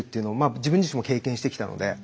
自分自身も経験してきたので。